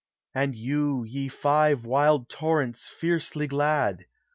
17 And yon, ye five wild torrents fiercely glad!